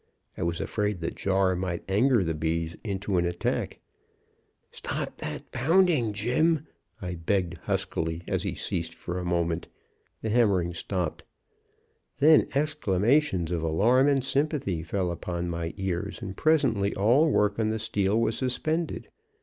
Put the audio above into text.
I was afraid the jar might anger the bees into an attack. "'Stop that pounding, Jim!' I begged huskily, as he ceased for a moment. The hammering stopped. "Then exclamations of alarm and sympathy fell upon my ears, and presently all work on the steel was suspended.